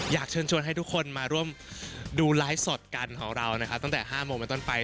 อยากเชิญชวนให้ทุกคนมาร่วมดูไลฟ์สดกันของเรานะครับตั้งแต่๕โมงเป็นต้นไป